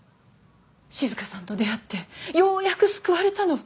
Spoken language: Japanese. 静香さんと出会ってようやく救われたの。